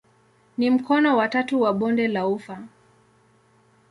Ni mkono wa tatu wa bonde la ufa.